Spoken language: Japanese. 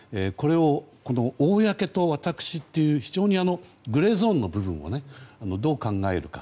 この、公と私という非常にグレーゾーンの部分をどう考えるか。